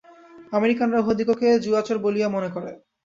আমেরিকানরা উহাদিগকে জুয়াচোর বলিয়া মনে করে।